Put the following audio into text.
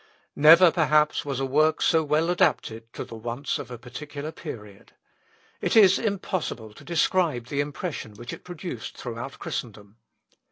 Never, perhaps, was a work so well adapted to the wants of a particular period. It is impossible to describe the impression which it produced throughout Christendom.